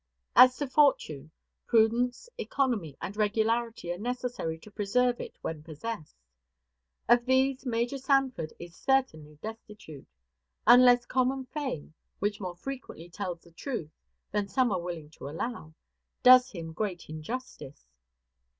As to fortune, prudence, economy, and regularity are necessary to preserve it when possessed. Of these Major Sanford is certainly destitute unless common fame (which more frequently tells the truth than some are willing to allow) does him great injustice.